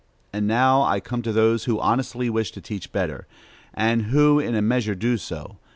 And now I come to those who honestly wish to teach better, and who in a measure do so.